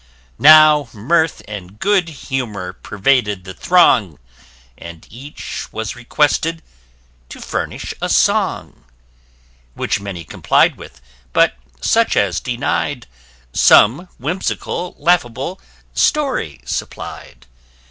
Now mirth and good humour pervaded the throng, And each was requested to furnish a song, Which many comply'd with; but such as deny'd, Some whimsical laughable story supply'd.